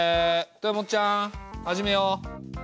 豊本ちゃん始めよう。